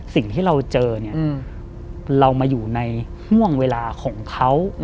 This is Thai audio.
สิ่งที่เราเจอเนี่ยเรามาอยู่ในห่วงเวลาของเขา